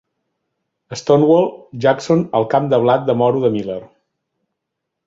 "Stonewall", Jackson al camp de blat de moro de Miller.